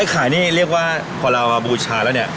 ขายนี่เรียกว่าพอเรามาบูชาแล้วเนี่ย